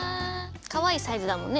かわいいサイズだもんね。